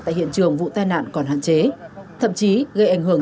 tại hiện trường vụ tai nạn còn hạn chế thậm chí gây ảnh hưởng